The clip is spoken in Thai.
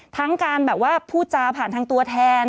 ทั้งการแบบว่าพูดจาผ่านทางตัวแทน